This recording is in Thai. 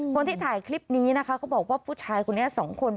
คนที่ถ่ายคลิปนี้นะคะเขาบอกว่าผู้ชายคนนี้สองคน